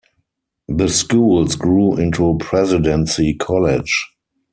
The schools grew into Presidency College.